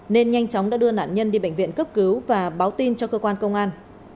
nên nhanh chóng đã đưa nạn nhân đi bệnh viện cấp cứu và báo tin cho cơ quan công an